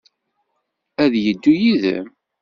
Ad yeddu yid-m?